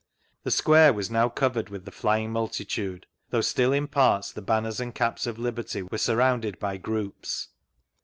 rrhe' square was now covered with the flying multitude; though still in parts the banners and caps of liberty were surrounded by groups.